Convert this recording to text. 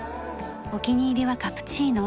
お気に入りはカプチーノ。